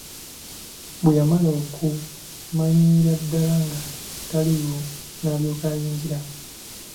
Bwe yamala okumanyira ddala nga taliiwo n'alyoka ayingira.